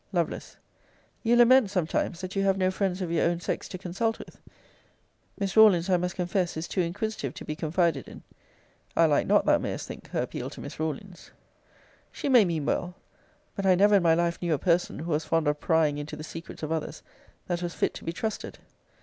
Lovel. You lament, sometimes, that you have no friends of your own sex to consult with. Miss Rawlins, I must confess, is too inquisitive to be confided in, [I liked not, thou mayest think, her appeal to Miss Rawlins.] She may mean well. But I never in my life knew a person, who was fond of prying into the secrets of others, that was fit to be trusted.